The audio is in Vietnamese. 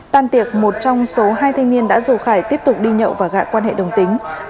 tan tiệc một trong số hai thanh niên đã dù khải tiếp tục đi nhậu và gãi quan hệ đồng tính